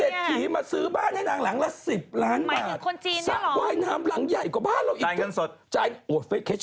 ลำยองน้องหินห่าว